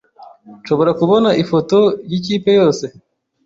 Nshobora kubona ifoto yikipe yose?